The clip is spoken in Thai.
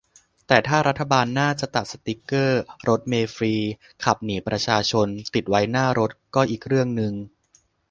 แต้ถ้ารัฐบาลหน้าจะตัดสติ๊กเกอร์ "รถเมล์ฟรี ขับหนีประชาชน" ติดไว้หน้ารถ ก็อีกเรื่องนึง